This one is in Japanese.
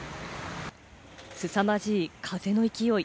すさまじい風の勢い。